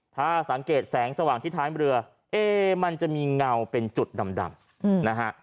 ถ้าสังเกตแสงสว่างที่ท้ายเรือเอ๊มันจะมีเงาเป็นจุดดำนะฮะ